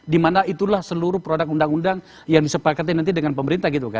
dimana itulah seluruh produk undang undang yang disepakati nanti dengan pemerintah gitu kan